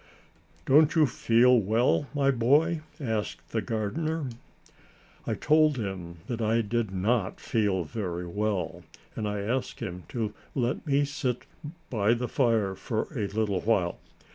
"Don't you feel well, my boy?" asked the gardener. I told him that I did not feel very well, and I asked him to let me sit by the fire for a little while.